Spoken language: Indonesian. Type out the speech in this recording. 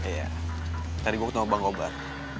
iya tadi gua ketemu bang gobar